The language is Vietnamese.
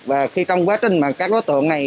và khi trong quá trình các đối tượng này